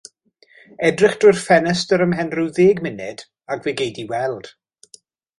Edrych drwy'r ffenestr ymhen rhyw ddeg munud ac fe gei di weld.